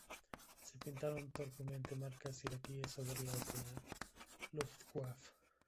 Se pintaron torpemente marcas iraquíes sobre las de la Luftwaffe.